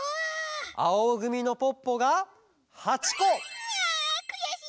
あおぐみのポッポがああくやしい！